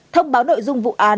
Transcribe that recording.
thông báo nội dung của bộ công an